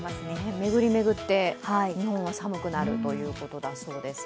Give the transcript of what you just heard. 巡り巡って日本が寒くなるということだそうです。